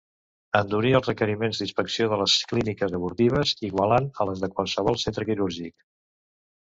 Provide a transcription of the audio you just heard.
Endurir els requeriments d'inspecció de les clíniques abortives, igualant a les de qualsevol centre quirúrgic.